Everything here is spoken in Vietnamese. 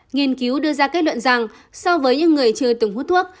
nghiên cứu đưa ra kết luận rằng so với những người chưa từng hút thuốc